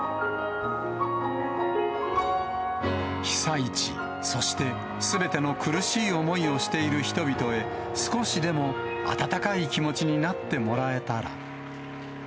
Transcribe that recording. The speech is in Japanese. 被災地、そしてすべての苦しい思いをしている人々へ、少しでも温かい気持ちになってもらえたら。